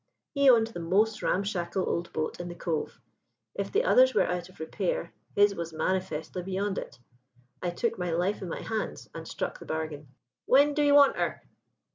He owned the most ramshackle old boat in the Cove: if the others were out of repair, his was manifestly beyond it. I took my life in my hands and struck the bargain. "'When do 'ee want her?'